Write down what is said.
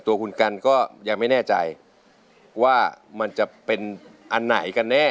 ตัวคุณกันก็ยังไม่แน่ใจว่ามันจะเป็นอันไหนกันแน่